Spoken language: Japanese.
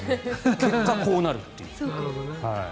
結果、こうなるという。